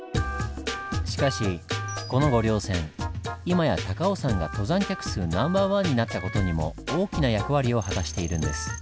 しかしこの御陵線今や高尾山が登山客数ナンバーワンになった事にも大きな役割を果たしているんです。